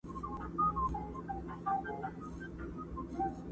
دلته چې راتلو شپې مو د اور سره منلي وې،